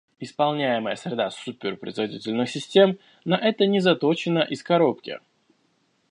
Исполняемая среда супер-производительных систем на это не заточена «из коробки»